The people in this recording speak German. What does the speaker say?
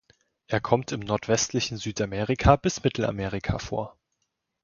Er kommt im nordwestlichen Südamerika bis Mittelamerika vor.